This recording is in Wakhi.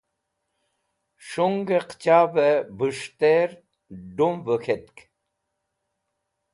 Shungẽ qẽchave bũs̃htẽr d̃umvẽ k̃het.